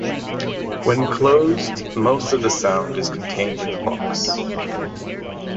When closed, most of the sound is contained in the box.